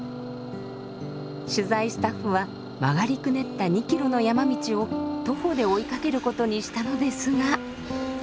取材スタッフは曲がりくねった２キロの山道を徒歩で追いかけることにしたのですが。